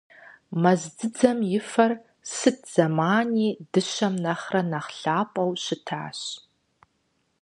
Мэз дзыдзэм и фэр сыт зэмани дыщэм нэхърэ нэхъ лъапӀэу щытащ.